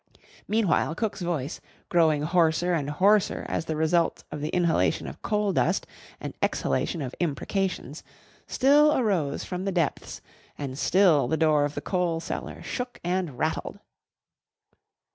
Meanwhile cook's voice, growing hoarser and hoarser as the result of the inhalation of coal dust and exhalation of imprecations, still arose from the depths and still the door of the coal cellar shook and rattled.